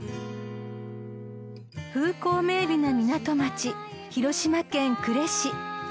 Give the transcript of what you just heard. ［風光明媚な港町広島県呉市］